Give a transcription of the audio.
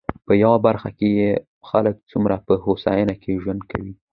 په يوه برخه کې يې خلک څومره په هوساينه کې ژوند کوي.